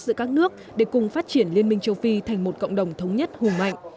giữa các nước để cùng phát triển liên minh châu phi thành một cộng đồng thống nhất hù mạnh